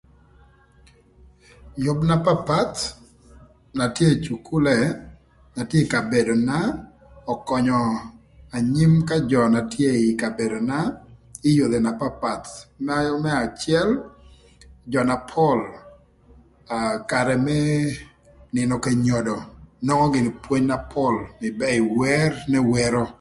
Yüb na papath na tye ï cukule na tye ï kabedona, ökönyö anyim ka jö na tye ï kabedona ï yodhi na papath më acël jö na pol aa karë më nïnö k'enyodo nwongo gïnï pwony na pol rïbërë ï wer n'ewero.